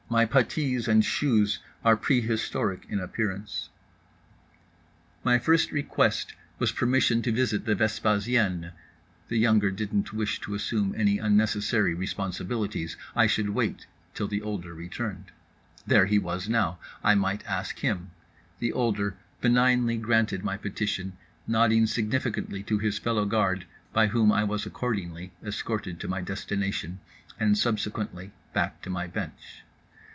My puttees and shoes are prehistoric in appearance…. My first request was permission to visit the vespasienne. The younger didn't wish to assume any unnecessary responsibilities; I should wait till the older returned. There he was now. I might ask him. The older benignly granted my petition, nodding significantly to his fellow guard, by whom I was accordingly escorted to my destination and subsequently back to my bench.